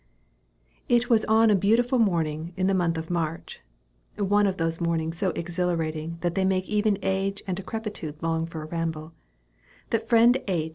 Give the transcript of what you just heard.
It was on a beautiful morning in the month of March, (one of those mornings so exhilarating that they make even age and decrepitude long for a ramble), that friend H.